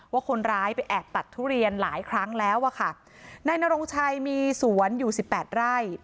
ว่าคนร้ายไปแอบตัดทุเรียนหลายครั้งแล้วอ่ะค่ะนายนรงชัยมีสวนอยู่สิบแปดไร่